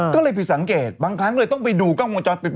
ก็เลยผิดสังเกตบางครั้งเลยต้องไปดูกล้องวงจรปิด